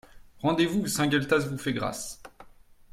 Rendez-vous ! Saint-Gueltas vous fait grâce.